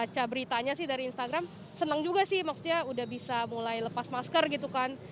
baca beritanya sih dari instagram senang juga sih maksudnya udah bisa mulai lepas masker gitu kan